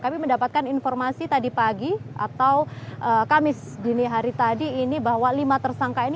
kami mendapatkan informasi tadi pagi atau kamis dini hari tadi ini bahwa lima tersangka ini